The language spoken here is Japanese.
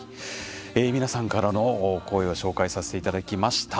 皆さんからの声を紹介させていただきました。